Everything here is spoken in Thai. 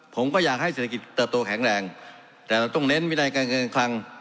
ผมก็อยากให้เศรษฐกิจเติบโตแข็งแรงแต่เราต้องเน้นวินัยการเงินการคลัง